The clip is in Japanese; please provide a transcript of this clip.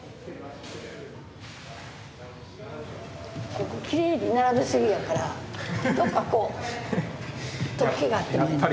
ここきれいに並べすぎやからどっかこう突起があってもええな。